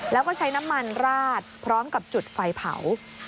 แล้วก็ใช้น้ำมันราดพร้อมกับจุดไฟเผา